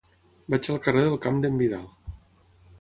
Vaig al carrer del Camp d'en Vidal.